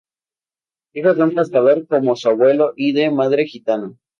Hijo de un pescador, como su abuelo, y de madre gitana.